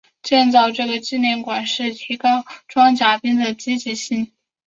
建造这个纪念馆是提高装甲兵的积极性。